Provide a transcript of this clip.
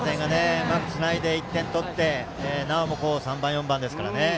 うまくつないで１点取ってなおも３番、４番ですからね。